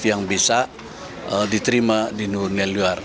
yang bisa diterima di new luar